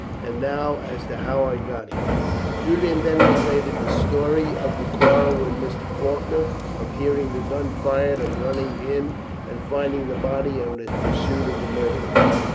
And now as to how I got here." Julian then related the story of the quarrel with Mr. Faulkner, of hearing the gun fired, of running in and finding the body, and of his pursuit of the murderer.